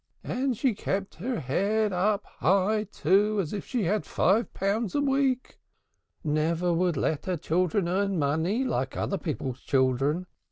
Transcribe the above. And she kept her head high up, too, as if she had five pounds a week! Never would let her children earn money like other people's children.